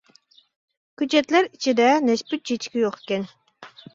كۆچەتلەر ئىچىدە نەشپۈت چېچىكى يوق ئىكەن.